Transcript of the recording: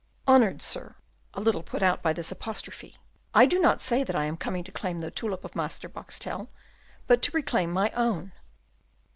"Honoured sir," a little put out by this apostrophe, "I do not say that I am coming to claim the tulip of Master Boxtel, but to reclaim my own."